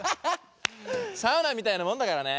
サウナみたいなもんだからね。